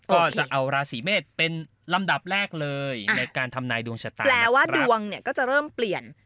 ก็จะเอาราศีเมษเป็นลำดับแรกเลยในการทำนายดวงชะตาแปลว่าดวงเนี่ยก็จะเริ่มเปลี่ยน